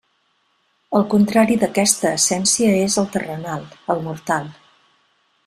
El contrari d'aquesta essència és el terrenal, el mortal.